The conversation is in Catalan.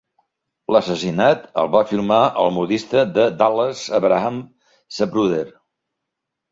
L'assassinat el va filmar el modista de Dallas Abraham Zapruder.